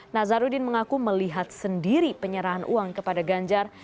nazarudin mengaku melihat sendiri penyerahan uang kepada ganjar